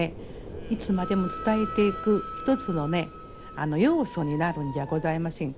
いつまでも伝えていく一つの要素になるんじゃございませんか？